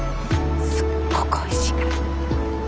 すっごくおいしいから。